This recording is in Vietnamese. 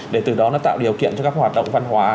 để từ đó nó tạo điều kiện cho các hoạt động văn hóa